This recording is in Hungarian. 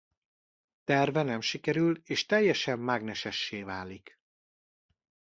Terve nem sikerül és teljesen mágnesessé válik.